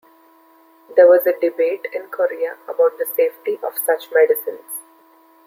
There was a debate in Korea about the safety of such medicines.